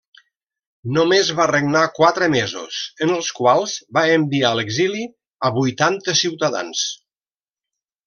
Només va regnar quatre mesos en els quals va enviar a l'exili a vuitanta ciutadans.